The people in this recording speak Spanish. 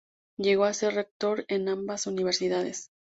Llegó a ser rector en ambas universidades.